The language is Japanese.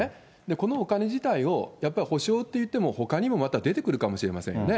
このお金自体をやっぱり補償って言っても、ほかにもまた、出てくるかもしれませんよね。